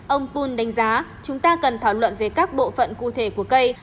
ông pun đánh giá chúng ta cần thảo luận về các bộ phận cụ thể của cây